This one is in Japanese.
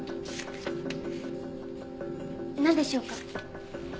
何でしょうか？